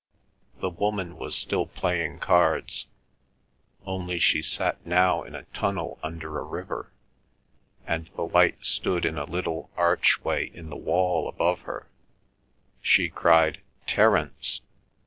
The woman was still playing cards, only she sat now in a tunnel under a river, and the light stood in a little archway in the wall above her. She cried "Terence!"